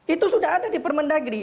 itu sudah ada di permendagri